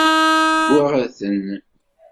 Wwiɣ-ten.